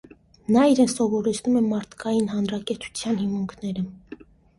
Նա իրեն սովորեցնում է մարդկային հանրակեցության հիմունքները։